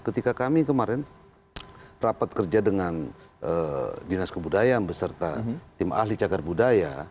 ketika kami kemarin rapat kerja dengan dinas kebudayaan beserta tim ahli cagar budaya